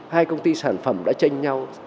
hai công ty sản phẩm đã chênh nhau